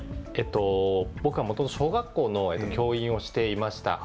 僕は、もともと小学校の教員をしていました。